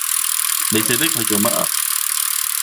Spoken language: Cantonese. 你寫低佢做乜啊？